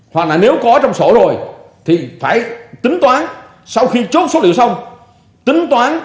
hoặc là nếu có trong sổ rồi thì phải tính toán sau khi chốt số liệu xong tính toán